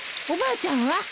おばあちゃんは？